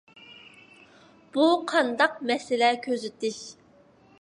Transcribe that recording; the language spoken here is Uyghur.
بۇ قانداق مەسىلە كۆزىتىش؟